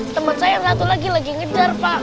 temen saya yang satu lagi lagi ngejar pak